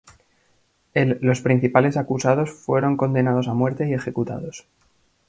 El los principales acusados fueron condenados a muerte y ejecutados.